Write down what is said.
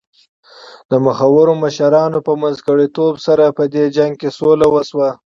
د مخورو مشرانو په منځګړیتوب سره په دې جنګ کې سوله وشوه.